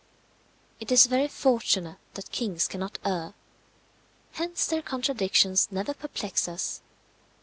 It is very fortunate that kings cannot err. Hence their contradictions never perplex us.